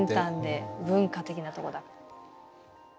文化的なとこだと。